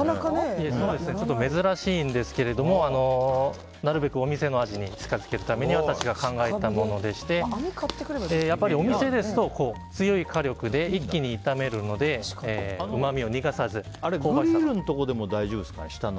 いえ、珍しいんですけどなるべくお店の味に近づけるために私が考えたものでしてお店ですと強い火力で一気に炒めるのでうまみを逃がさず、香ばしさが。グリルのところでも大丈夫ですかね。